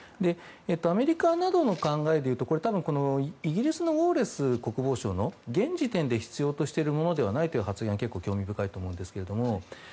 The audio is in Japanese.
アメリカなどの考えでいうとこれは多分イギリスのウォレス国防相の現時点で必要としているものではないという発言が結構、興味深いんですけれども。